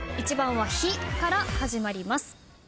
１番は「ひ」から始まります。